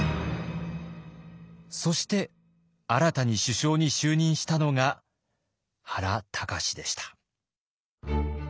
そして新たに首相に就任したのが原敬でした。